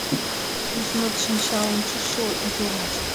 Тузмыт шинча ончычшо йомыч.